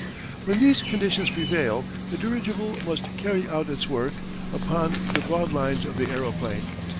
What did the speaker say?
When these conditions prevail the dirigible must carry out its work upon the broad lines of the aeroplane.